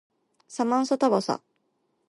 サマンサタバサ